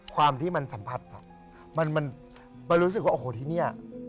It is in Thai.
ความที่มันสัมผัสมันรู้สึกว่าโอ้โหที่นี่